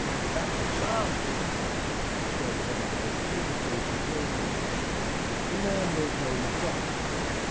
"That's from Psalms," he said, one day, to an adjacent grave digger. The man made no reply.